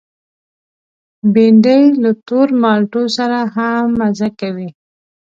بېنډۍ له تور مالټو سره هم مزه لري